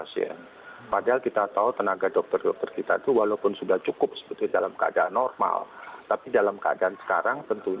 tapi katakanlah cuma sepuluh pasien sekarang menjadi seratus pasien padahal kita tahu tenaga dokter dokter kita itu walaupun sudah cukup seperti dalam keadaan normal tapi dalam keadaan sekarang tentunya kelihatannya jadi berkurang